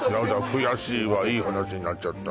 悔しいわいい話になっちゃった